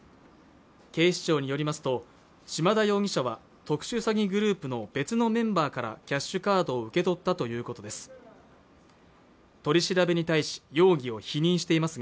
警視庁によりますと島田容疑者は特殊詐欺グループの別のメンバーからキャッシュカードを受け取ったということです